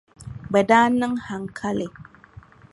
Bɛ daa niŋ haŋkali.